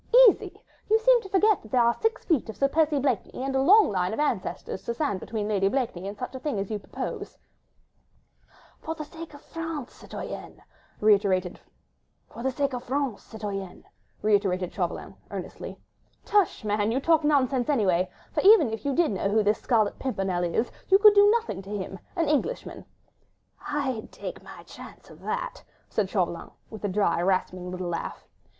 "Easy! you seem to forget that there are six feet of Sir Percy Blakeney, and a long line of ancestors to stand between Lady Blakeney and such a thing as you propose." "For the sake of France, citoyenne!" reiterated Chauvelin, earnestly. "Tush, man, you talk nonsense anyway; for even if you did know who this Scarlet Pimpernel is, you could do nothing to him—an Englishman!" "I'd take my chance of that," said Chauvelin, with a dry, rasping little laugh.